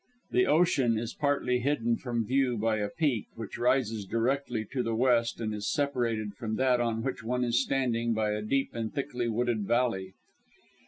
The ocean is partly hidden from view by a peak, which rises directly to the west, and is separated from that on which one is standing by a deep and thickly wooded valley.